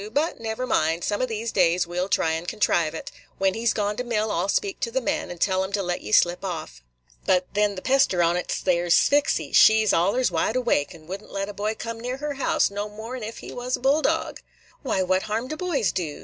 But never mind; some of these days, we 'll try and contrive it. When he 's gone to mill, I 'll speak to the men, and tell 'em to let ye slip off. But then the pester on't is, there 's Sphyxy; she 's allers wide awake, and would n't let a boy come near her house no more than ef he was a bulldog." "Why, what harm do boys do?"